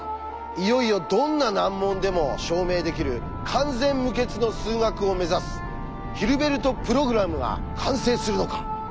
いよいよどんな難問でも証明できる完全無欠の数学を目指すヒルベルト・プログラムが完成するのか。